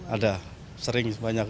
ada sering banyak